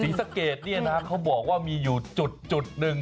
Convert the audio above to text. สะเกดเนี่ยนะเขาบอกว่ามีอยู่จุดหนึ่ง